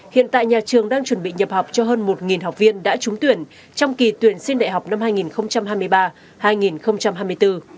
hiện tại nhà trường đang chuẩn bị nhập học cho hơn một học viên đã trúng tuyển trong kỳ tuyển sinh đại học năm hai nghìn hai mươi ba hai nghìn hai mươi bốn